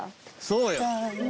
そうよ。